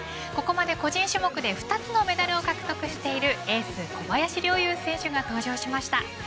ここまで個人種目で２つのメダルを獲得しているエース小林陵侑選手が登場しました。